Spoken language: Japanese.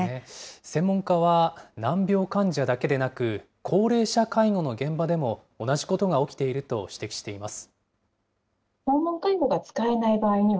専門家は難病患者だけでなく、高齢者介護の現場でも同じことが起きていると指摘しています。